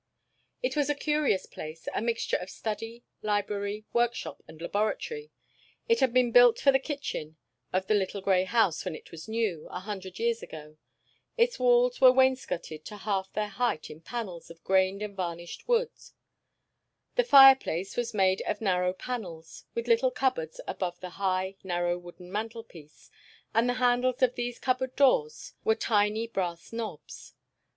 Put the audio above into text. It was a curious place, a mixture of study, library, workshop, and laboratory. It had been built for the kitchen of the little grey house when it was new, a hundred years ago. Its walls were wainscoted to half their height in panels of grained and varnished wood. The fireplace was made of narrow panels, with little cupboards above the high, narrow, wooden mantelpiece, and the handles of these cupboard doors were tiny brass knobs.